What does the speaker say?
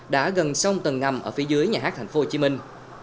đã gần sông tầng ngầm ở phía dưới nhà hát thành phố hồ chí minh